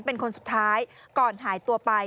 เป็นคนสุดท้ายก่อนหายตัวไป